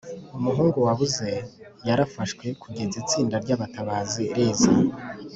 umuhungu wabuze yarafashe kugeza itsinda ryabatabazi riza.